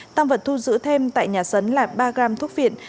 tăng vật thu giữ thêm tại nhà sấn là ba gram thuốc viện